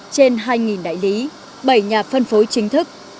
trên hai đại lý bảy nhà phân phối chính thức